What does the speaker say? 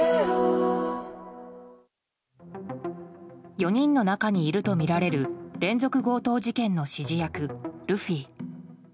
４人の中にいるとみられる連続強盗事件の指示役ルフィ。